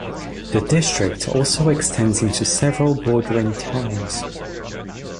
The district also extends into several bordering towns.